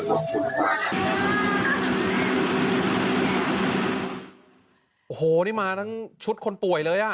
โอ้โหนี่มาทั้งชุดคนป่วยเลยอ่ะ